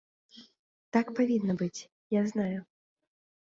Так павінна быць, я знаю.